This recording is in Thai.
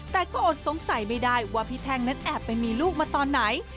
แต่ก็อดสงสัยไม่ได้ว่าพี่แท่งนั้นแอบไปมีลูกมาตอนไหน